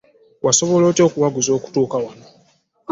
Wasobola otya okuwaguza okutuuka wano?